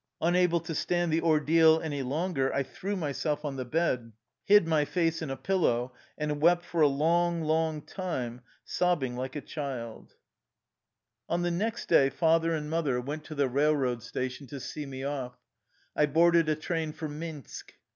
Unable to stand the ordeal any longer, I threw myself on the bed, hid my face in a pillow, and wept for a long, long time, sobbing like a child. On the next day Father and Mother went to 123 THE LIFE STORY OF A RUSSIAN EXILE the railroad station to see me off. I boarded a train for Minsk.